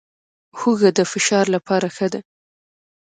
هوږه د فشار لپاره ښه ده